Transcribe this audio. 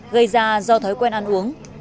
gây ra do thói quen ăn uống